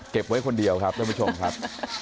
เก็บไว้คนเดียวครับด้วยผู้ชมครับ